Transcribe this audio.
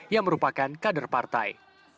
yang merupakan kader partai